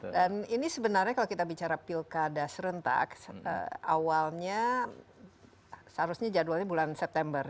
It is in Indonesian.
dan ini sebenarnya kalau kita bicara pilkada serentak awalnya seharusnya jadwalnya bulan september